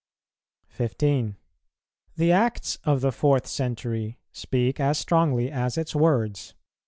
15. The acts of the fourth century speak as strongly as its words.